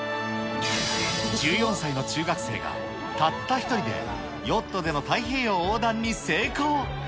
１４歳の中学生がたった１人でヨットでの太平洋横断に成功。